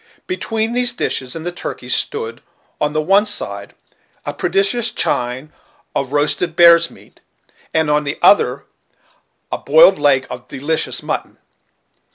Between these dishes and the turkeys stood, on the one side, a prodigious chine of roasted bear's meat, and on the other a boiled leg of delicious mutton.